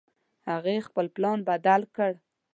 هغې خپل پلان بدل کړ